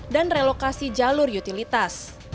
dan relokasi jalur utilitas